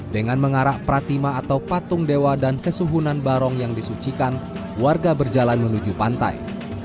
dengan mengarak pratima atau patung dewa dan sesuhunan barong yang disucikan warga berjalan menuju pantai